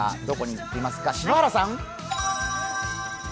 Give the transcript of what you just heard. どこに行っていますか、篠原さん。